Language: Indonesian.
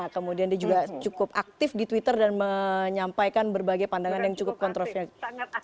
kemudian dia juga cukup aktif di twitter dan menyampaikan berbagai pandangan yang cukup kontroversial